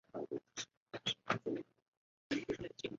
尾巴呈短鞭状。